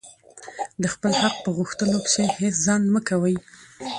د خپل حق په غوښتلو کښي هېڅ ځنډ مه کوئ!